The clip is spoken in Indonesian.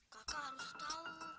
kakak harus tahu